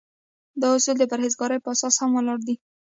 دا اصول د پرهیزګارۍ په اساس هم ولاړ دي.